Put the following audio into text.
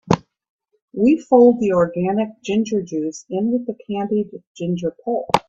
We fold the organic ginger juice in with the candied ginger pulp.